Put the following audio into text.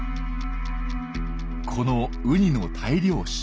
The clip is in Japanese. このウニの大量死